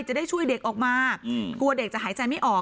จะได้ช่วยเด็กออกมากลัวเด็กจะหายใจไม่ออก